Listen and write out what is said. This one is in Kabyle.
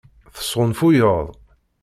Tesɣunfuyeḍ.